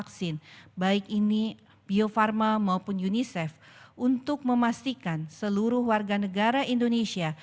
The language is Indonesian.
kami akan membuat distribusi vaksin baik ini bio farma maupun unicef untuk memastikan seluruh warga negara indonesia